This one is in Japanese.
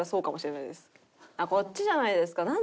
「こっちじゃないですか。